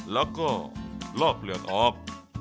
แล้วก็ลอกเปลือกออก